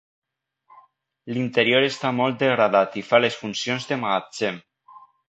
L'interior està molt degradat i fa les funcions de magatzem.